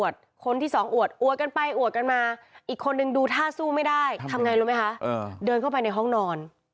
เดินเข้าไปในห้องนอน